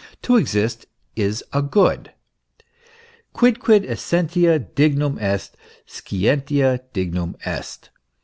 To exist is a good. Quidquid essentia dignum est, scientia dignum est.